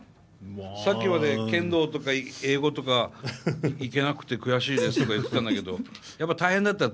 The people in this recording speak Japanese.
さっきまで剣道とか英語とか行けなくて悔しいですとか言ってたんだけどやっぱり大変だった？